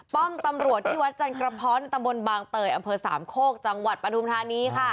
ป้อมตำรวจที่วัดจันกระเพาะนตำบลบางเตยอำเภอสามโคกจังหวัดปฐุมธานีค่ะ